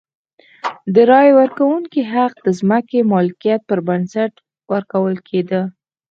د رایې ورکونې حق د ځمکې مالکیت پر بنسټ ورکول کېده.